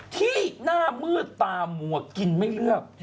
ที่หน้ามืดตามัวกินไม่เลือก